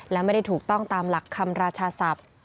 และไม่ได้ถูกต้องตามหลักคำราชาศัพท์